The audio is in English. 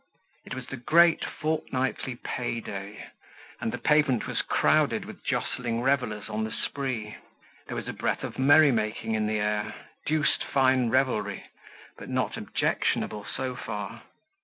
It was the great fortnightly pay day, and the pavement was crowded with jostling revelers on the spree. There was a breath of merrymaking in the air—deuced fine revelry, but not objectionable so far.